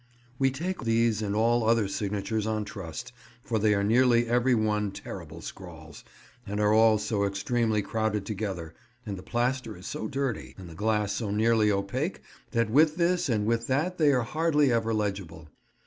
We take these and all other signatures on trust, for they are nearly every one terrible scrawls, and are all so extremely crowded together, and the plaster is so dirty, and the glass so nearly opaque that with this and with that they are hardly ever legible.